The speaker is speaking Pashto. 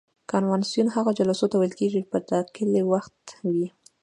کنوانسیون هغو جلسو ته ویل کیږي چې په ټاکلي وخت وي.